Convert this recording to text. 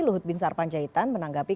luhut bin sarpanjaitan menanggapi